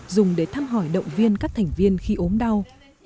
dùng để thăm hỏi động viên các thành viên khi ốm đau